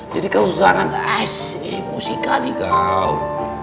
jadi kau jangan asik musikali kau